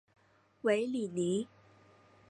韦里尼。